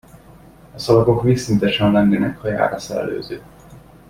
A szalagok vízszintesen lengenek, ha jár a szellőző.